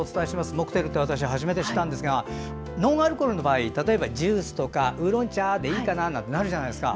モクテルって私、初めて知ったんですがノンアルコールの場合例えばジュースとかウーロン茶でいいかな、なんてなるじゃないですか。